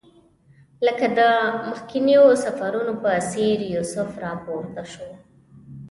لکه د مخکنیو سفرونو په څېر یوسف راپورته شو.